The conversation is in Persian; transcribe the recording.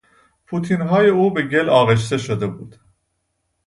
پوتینهای او به گل آغشته شده بود.